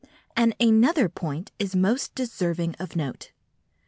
And another point is most deserving of note.